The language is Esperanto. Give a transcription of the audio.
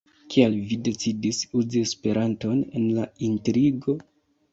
Kial vi decidis uzi Esperanton en la intrigo?